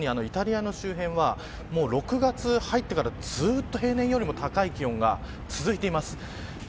特にイタリアの周辺はもう６月に入ってからずっと平年よりも高い気温が続いています。